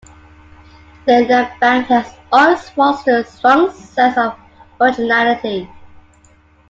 Leyland Band has always fostered a strong sense of originality.